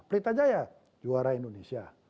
pelit aja ya juara indonesia